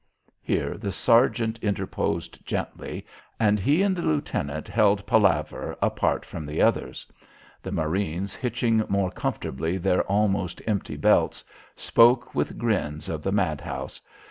Here the sergeant interposed gently, and he and the lieutenant held palaver apart from the others. The marines, hitching more comfortably their almost empty belts, spoke with grins of the madhouse.